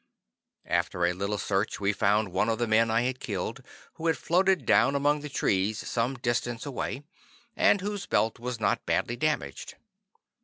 After a little search, we found one of the men I had killed, who had floated down among the trees some distance away and whose belt was not badly damaged.